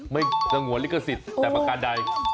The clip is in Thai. ไม่สงวนลิขสิทธิ์แต่ประการใด